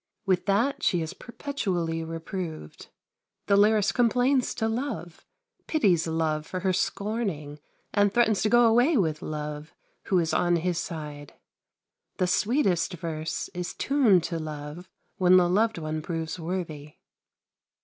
With that she is perpetually reproved. The lyrist complains to Love, pities Love for her scorning, and threatens to go away with Love, who is on his side. The sweetest verse is tuned to love when the loved one proves worthy.